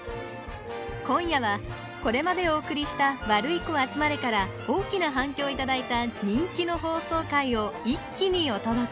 今夜はこれまでお送りした「ワルイコあつまれ」から大きなはんきょうをいただいた人気の放送回をイッキにおとどけ！